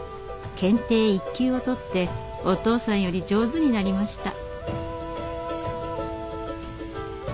検定１級を取ってお父さんより上手になりました。